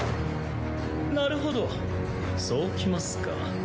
なるほどそうきますか。